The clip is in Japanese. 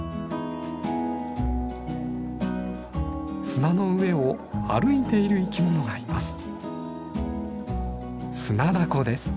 砂の上を歩いている生きものがいます。